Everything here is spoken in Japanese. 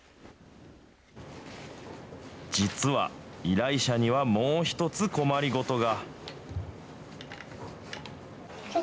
実は、依頼者にはもう一つ困り事が。